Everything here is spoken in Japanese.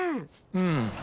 うん。